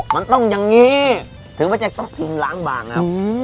อรี่ต้องอย่างนี้ถึงว่าจะกลับกินล้างบางอะ